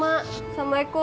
nah mereka memang kehabisan